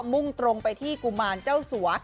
มุ่งตรงไปที่กุมารเจ้าสัว